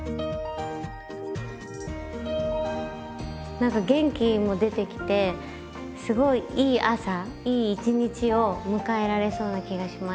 何か元気も出てきてすごいいい朝いい一日を迎えられそうな気がしました。